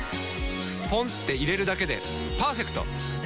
ポンって入れるだけでパーフェクト！